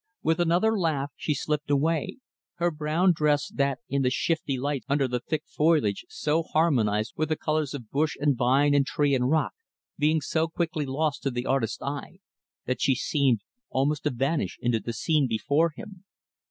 With another laugh, she slipped away her brown dress, that, in the shifty lights under the thick foliage, so harmonized with the colors of bush and vine and tree and rock, being so quickly lost to the artist's eye that she seemed almost to vanish into the scene before him.